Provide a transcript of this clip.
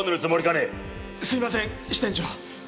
すいません支店長。